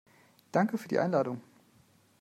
Danke für die Einladung.